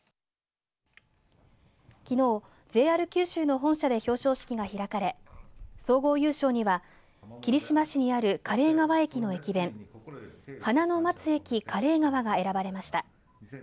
きのうＪＲ九州の本社で表彰式が開かれ総合優勝には霧島市にある嘉例川駅の駅弁花の待つ駅かれい川が選ばれました。